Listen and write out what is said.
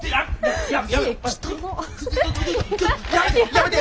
やめて！